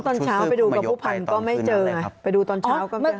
ตอนเช้าผมจะไปดูกับผู้ผ่านไม่เจอนั่นเลยครับ